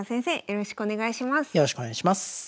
よろしくお願いします。